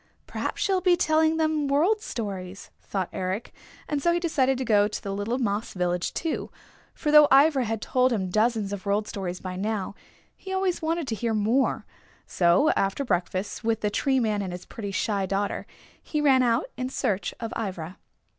"Perhaps she'll be telling them World Stories," thought Eric, and so he decided to go to the little moss village, too, for though Ivra had told him dozens of World Stories by now, he always wanted to hear more. So after breakfast with the Tree Man and his pretty, shy daughter, he ran out in search of Ivra.